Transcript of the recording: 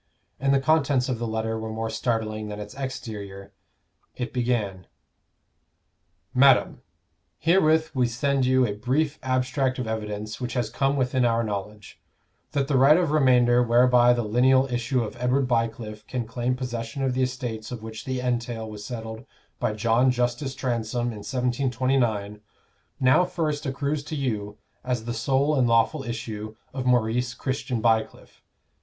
And the contents of the letter were more startling than its exterior. It began: MADAM, Herewith we send you a brief abstract of evidence which has come within our knowledge, that the right of remainder whereby the lineal issue of Edward Bycliffe can claim possession of the estates of which the entail was settled by John Justus Transome in 1729, now first accrues to you as the sole and lawful issue of Maurice Christian Bycliffe.